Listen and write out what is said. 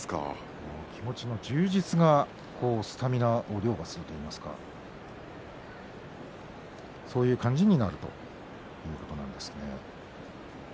気持ちの充実がスタミナをりょうがするといいますかそういう感じになるということなんですね。